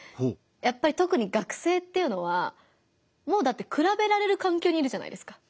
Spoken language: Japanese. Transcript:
やっぱりとくに学生っていうのはもうだってくらべられる環境にいるじゃないですか。